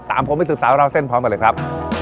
ตามผมไปสืบสาวราวเส้นพร้อมกันเลยครับ